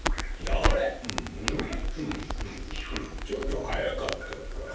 ちょっとはやかったか。